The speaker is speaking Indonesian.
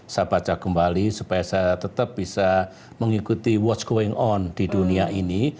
saya baca kembali supaya saya tetap bisa mengikuti apa yang berlaku di dunia ini